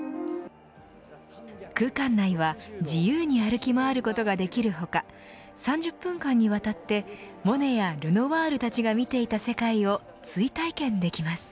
空間内は自由に歩き回ることができる他３０分間にわたってモネやルノワールたちが見ていた世界を追体験できます。